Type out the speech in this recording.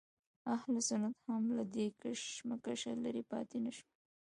اهل سنت هم له دې کشمکشه لرې پاتې نه شول.